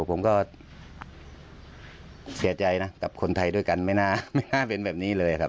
ผมก็เสียใจนะกับคนไทยด้วยกันไม่น่าไม่น่าเป็นแบบนี้เลยครับ